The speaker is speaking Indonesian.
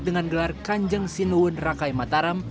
dengan gelar kanjang sinuun rakaimataram